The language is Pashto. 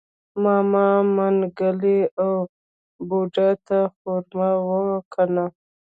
ماما منګلی او بوډا ته خومالوم و کنه.